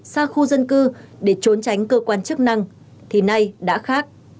xa khu dân cư để trốn tránh cơ quan chức năng thì nay đã khác